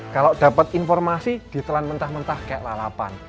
kalau dapat informasi ditelan mentah mentah kayak lalapan